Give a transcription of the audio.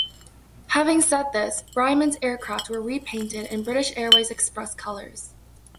Having said this, Brymon's Aircraft were repainted in British Airways Express colours.